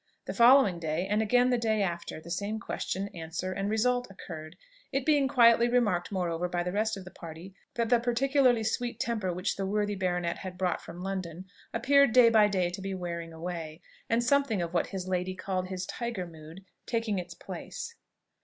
The following day, and again the day after, the same question, answer, and result occurred; it being quietly remarked moreover by the rest of the party, that the particularly sweet temper which the worthy baronet had brought from London appeared day by day to be wearing away, and something of what his lady called his "tiger mood" taking its place.